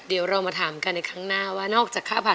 เดี๋ยวเรามาถามกันในครั้งหน้าว่า